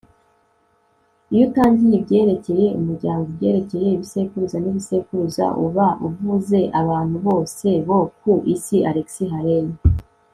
iyo utangiye ibyerekeye umuryango, ibyerekeye ibisekuruza n'ibisekuruza, uba uba uvuze abantu bose bo ku isi. - alex haley